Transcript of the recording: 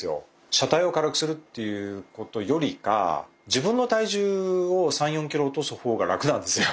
車体を軽くするっていうことよりか自分の体重を３４キロ落とす方が楽なんですよ。